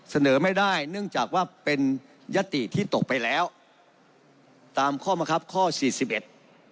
เสนอไม่ได้เนื่องจากว่าเป็นยติที่ตกไปแล้วตามข้อมะครับข้อสี่สิบเอ็ด